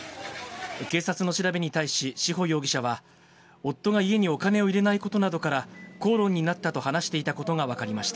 警察の調べに対し、志保容疑者は、夫が家にお金を入れないことなどから、口論になったと話していたことが分かりました。